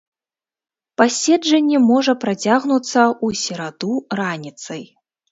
Паседжанне можа працягнуцца ў сераду раніцай.